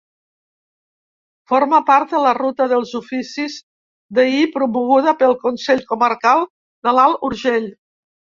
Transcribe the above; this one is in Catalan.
Forma part de la Ruta dels oficis d'ahir promoguda pel Consell Comarcal de l'Alt Urgell.